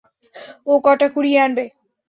ও ওটা কুড়িয়ে আনবে।